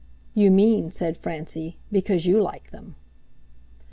"You mean," said Francie, "because you like them."